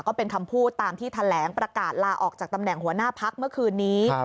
ก็เป็นคำพูดตามที่แถลงประกาศลาออกจากตำแหน่งหัวหน้าพักเมื่อคืนนี้